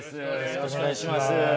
よろしくお願いします。